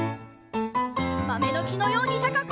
まめのきのようにたかく！